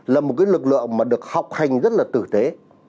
là một cái lực lượng mà được học hành rất là tử tế